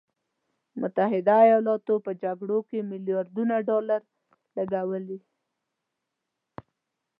متحده ایالاتو په جګړو کې میلیارډونه ډالر لګولي.